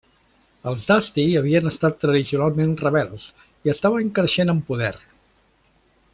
Els d'Asti havien estat tradicionalment rebels i estaven creixent en poder.